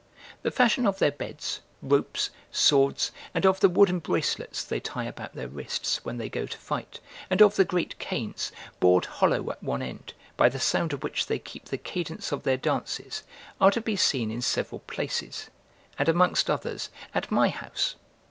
The fashion of their beds, ropes, swords, and of the wooden bracelets they tie about their wrists, when they go to fight, and of the great canes, bored hollow at one end, by the sound of which they keep the cadence of their dances, are to be seen in several places, and amongst others, at my house.